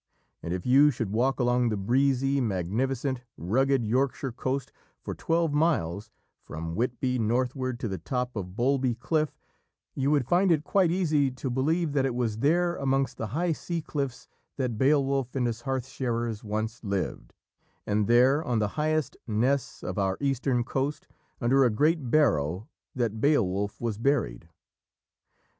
And if you should walk along the breezy, magnificent, rugged Yorkshire coast for twelve miles, from Whitby northward to the top of Bowlby Cliff, you would find it quite easy to believe that it was there amongst the high sea cliffs that Beowulf and his hearth sharers once lived, and there, on the highest ness of our eastern coast, under a great barrow, that Beowulf was buried.